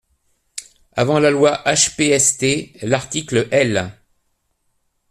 Avant la loi HPST, l’article L.